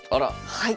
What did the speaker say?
はい。